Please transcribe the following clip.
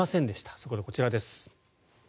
そこでこちらです。